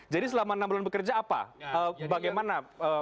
jadi selama enam bulan bekerja apa bagaimana